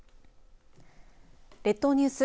列島ニュース